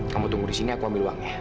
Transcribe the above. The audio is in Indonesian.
kamu tunggu di sini aku ambil uangnya